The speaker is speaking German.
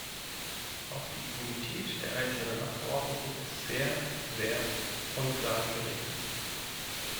Auch die Immunität der einzelnen Abgeordneten ist sehr, sehr unklar geregelt.